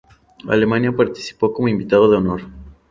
Alemania participó como invitado de honor.